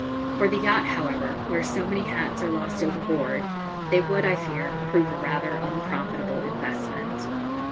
For the yacht, however, where so many hats are lost overboard, they would, I fear, prove a rather unprofitable investment.